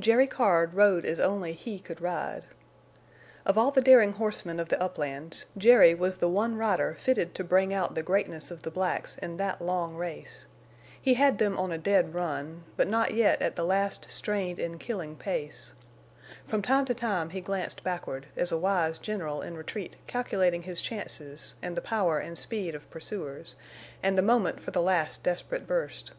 Jerry Card rode as only he could ride. Of all the daring horsemen of the uplands, Jerry was the one rider fitted to bring out the greatness of the blacks in that long race. He had them on a dead run, but not yet at the last strained and killing pace. From time to time he glanced backward, as a wise general in retreat calculating his chances and the power and speed of pursuers, and the moment for the last desperate burst.